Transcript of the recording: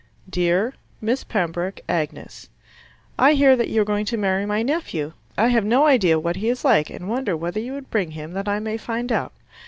Dear Miss Pembroke, Agnes I hear that you are going to marry my nephew. I have no idea what he is like, and wonder whether you would bring him that I may find out.